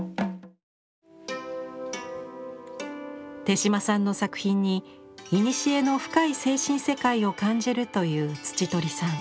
手島さんの作品にいにしえの深い精神世界を感じるという土取さん。